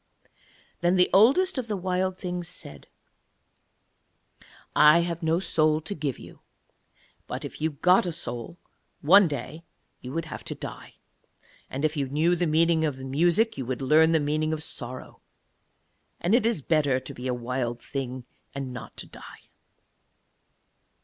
Then the Oldest of the Wild Things said: 'I have no soul to give you; but if you got a soul, one day you would have to die, and if you knew the meaning of music you would learn the meaning of sorrow, and it is better to be a Wild Thing and not to die.'